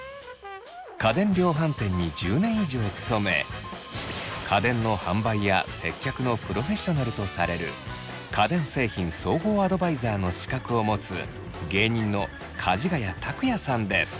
家電量販店に１０年以上勤め家電の販売や接客のプロフェッショナルとされる家電製品総合アドバイザーの資格を持つ芸人のかじがや卓哉さんです。